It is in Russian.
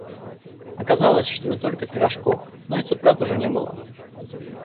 Оказалось, что не только пирожков, но и цыплят уже не было.